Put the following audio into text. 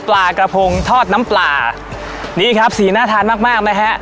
ปลากระพงทอดน้ำปลานี่ครับสีหน้าทานมากมากนะฮะ